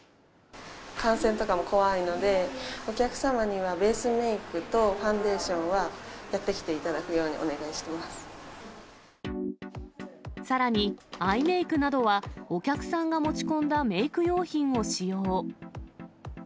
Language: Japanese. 感染とかも怖いので、お客様にはベースメークとファンデーションはやってきていただくさらに、アイメークなどはお客さんが持ち込んだメーク用品を使用。